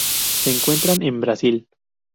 Se encuentran en Brasil.